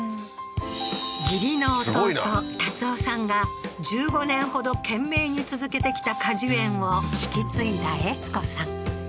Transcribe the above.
義理の弟龍夫さんが１５年ほど懸命に続けてきた果樹園を引き継いだ悦子さん